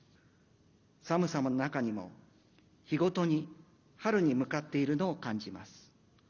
寒さの中にも、日ごとに春に向かっているのを感じます。